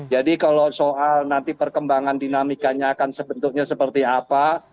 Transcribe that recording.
jadi kalau soal nanti perkembangan dinamikanya akan sebetulnya seperti apa